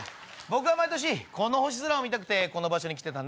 僕は毎年この星空を見たくてこの場所に来てたんだ。